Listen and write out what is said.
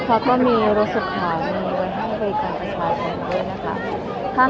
มันเป็นสิ่งที่จะให้ทุกคนรู้สึกว่ามันเป็นสิ่งที่จะให้ทุกคนรู้สึกว่า